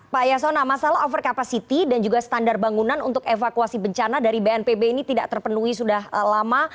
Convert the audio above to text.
pak yasona masalah over capacity dan juga standar bangunan untuk evakuasi bencana dari bnpb ini tidak terpenuhi sudah lama